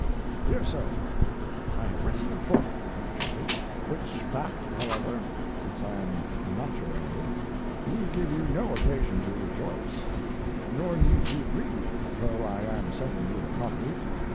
DEAR SIR, I have written a book naturally which fact, however, since I am not your enemy, need give you no occasion to rejoice. Nor need you grieve, though I am sending you a copy.